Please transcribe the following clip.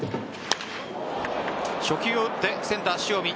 初球を打って、センター・塩見。